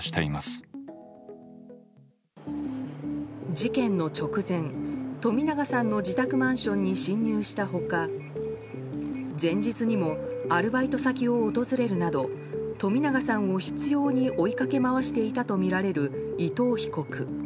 事件の直前、冨永さんの自宅マンションに侵入した他前日にもアルバイト先を訪れるなど冨永さんを執拗に追い掛け回していたとみられる伊藤被告。